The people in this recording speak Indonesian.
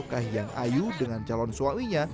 kahiyang ayu dengan calon suaminya